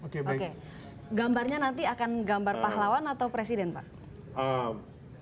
oke oke gambarnya nanti akan gambar pahlawan atau presiden pak